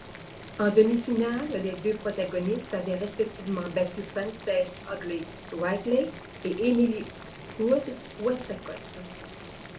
En demi-finale, les deux protagonistes avaient respectivement battu Frances Hoddle-Wrigley et Emily Hood Westacott.